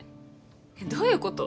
えっ？どういうこと？